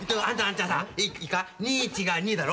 ２×１が２だろ？